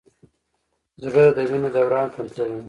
زړه د وینې دوران کنټرولوي.